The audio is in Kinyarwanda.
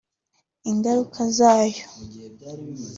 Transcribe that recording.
Ingaruka zayo